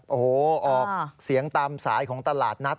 โอ้โหออกเสียงตามสายของตลาดนัด